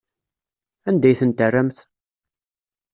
Anda ay ten-terramt?